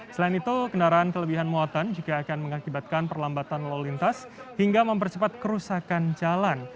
selain itu kendaraan kelebihan muatan juga akan mengakibatkan perlambatan lalu lintas hingga mempercepat kerusakan jalan